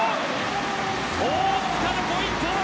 大塚のポイント！